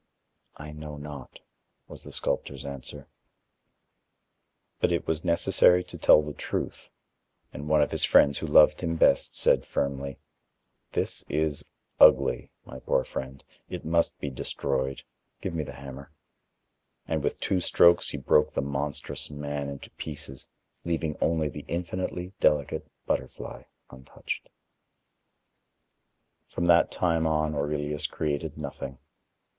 "I know not" was the sculptor's answer. But it was necessary to tell the truth, and one of his friends who loved him best said firmly: "This is ugly, my poor friend. It must be destroyed. Give me the hammer." And with two strokes he broke the monstrous man into pieces, leaving only the infinitely delicate butterfly untouched. From that time on Aurelius created nothing.